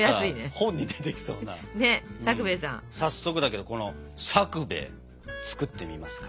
早速だけどこのさくべい作ってみますか。